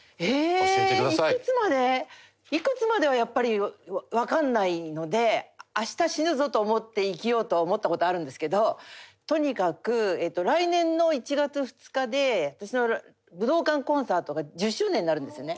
いくつまでやっぱりわからないので明日死ぬぞと思って生きようとは思った事あるんですけどとにかく来年の１月２日で私の武道館コンサートが１０周年になるんですね。